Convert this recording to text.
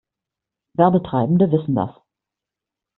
Werbetreibende wissen das.